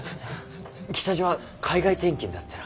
北島海外転勤だってな。